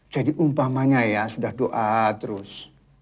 jadi umpamanya ya sudah doa terus